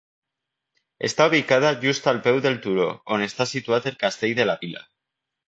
Està ubicada just al peu del turó on està situat el castell de la vila.